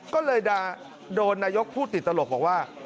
ก็เลยโดนนายกพูดติดตลกบอกว่า